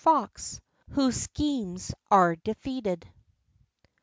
FOX, WHOSE SCHEMES ARE DEFEATED.